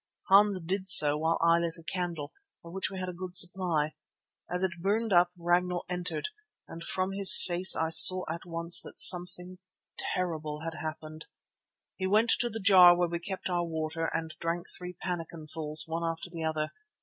Hans did so while I lit a candle, of which we had a good supply. As it burned up Ragnall entered, and from his face I saw at once that something terrible had happened. He went to the jar where we kept our water and drank three pannikin fuls, one after the other.